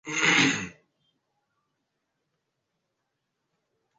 Baada ya Kongamano la shirikisho la mpira wa miguu duniani la mwaka elfu mbili